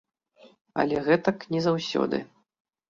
Але гэтак не заўсёды.